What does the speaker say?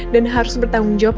dan harus bertanggung jawab